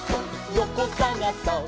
よこさがそっ！」